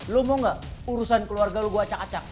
lo mau gak urusan keluarga lo gue acak acak